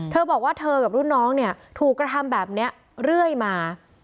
เธอบอกว่าเธอกับรุ่นน้องเนี่ยถูกกระทำแบบนี้เรื่อยมา